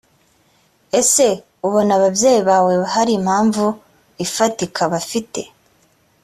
ese ubona ababyeyi bawe hari impamvu ifatika bafite